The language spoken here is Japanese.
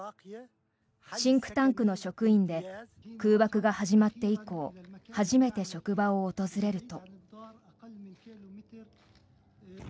シンクタンクの職員で空爆が始まって以降初めて職場を訪れると。